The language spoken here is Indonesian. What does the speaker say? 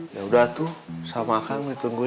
yaudah tuh sama akang ditungguin ya